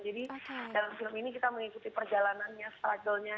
jadi dalam film ini kita mengikuti perjalanannya struggle nya